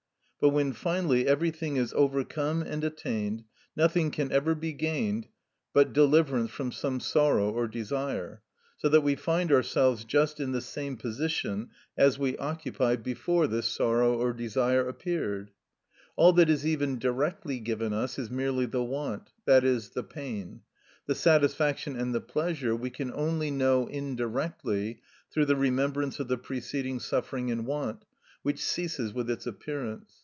But when finally everything is overcome and attained, nothing can ever be gained but deliverance from some sorrow or desire, so that we find ourselves just in the same position as we occupied before this sorrow or desire appeared. All that is even directly given us is merely the want, i.e., the pain. The satisfaction and the pleasure we can only know indirectly through the remembrance of the preceding suffering and want, which ceases with its appearance.